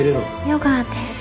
ヨガです。